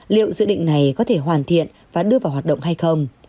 liệu dự định này có thể hoàn thiện và đưa vào hoạt động hay không